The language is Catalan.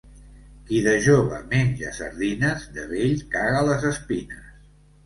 Qui de jove menja sardines, de vell caga les espines.